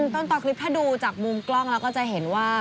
ต้นต่อคลิปถ้าดูจากมุมกล้องเราก็จะเห็นว่า